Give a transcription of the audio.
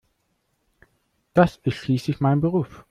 Das ist schließlich mein Beruf.